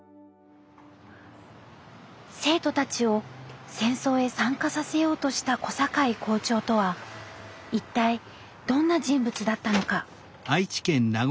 生徒たちを戦争へ参加させようとした小坂井校長とは一体どんな人物だったのか。